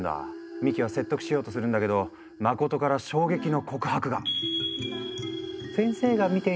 三木は説得しようとするんだけど真から衝撃の告白が！